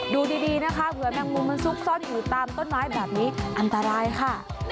ดูดีนะคะเผื่อแมงมุมมันซุกซ่อนอยู่ตามต้นไม้แบบนี้อันตรายค่ะ